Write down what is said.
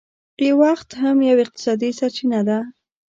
وخت هم یو اقتصادي سرچینه ده